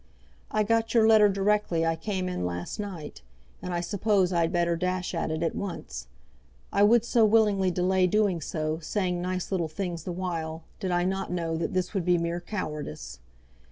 I got your letter directly I came in last night, and I suppose I had better dash at it at once. I would so willingly delay doing so, saying nice little things the while, did I not know that this would be mere cowardice.